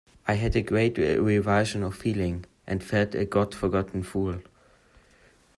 I had a great revulsion of feeling, and felt a God-forgotten fool.